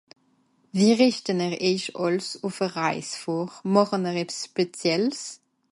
Wie richten 'r eich àls uff e Reis vor, màchen 'r ebbs spéziels ?